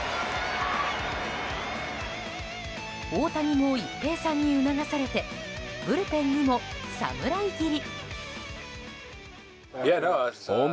大谷も一平さんに促されてブルペンにも侍斬り。